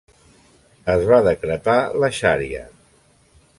Es va decretar la xaria.